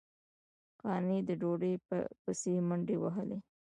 قانع د ډوډۍ پسې منډې وهلې.